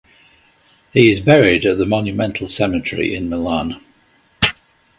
He is buried at the Monumental Cemetery in Milan.